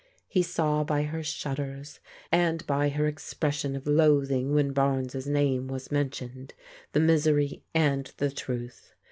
He saw by her shudders, and by her expression of loathing when Barnes' name was men tioned, the misery and the truth.